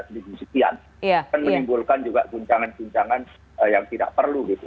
ini kan menimbulkan juga guncangan guncangan yang tidak perlu gitu